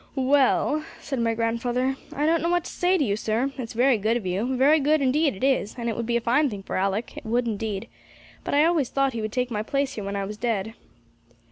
'Well,' said my grandfather, 'I don't know what to say to you, sir; it's very good of you very good, indeed it is, and it would be a fine thing for Alick, it would indeed; but I always thought he would take my place here when I was dead.'